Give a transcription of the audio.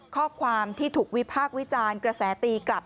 ข้อความที่ถูกวิพากษ์วิจารณ์กระแสตีกลับ